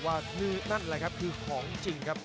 ว่านั่นนั่นแหละครับคือของจริงครับ